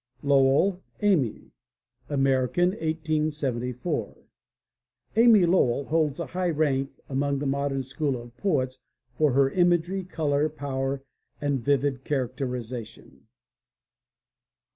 LOWELL, AMY (American, 1874 ) Amy Lowell holds a high rank among the modem school of poets for her imagery, color, power and vivid characterization.